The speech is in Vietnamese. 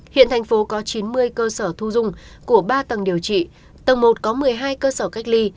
hiện thành phố có chín mươi cơ sở thu dung của ba tầng điều trị tầng một có một mươi hai cơ sở cách ly